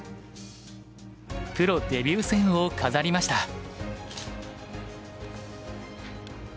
プロデビュー戦を飾りました。